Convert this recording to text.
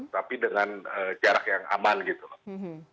tapi dengan jarak yang aman gitu loh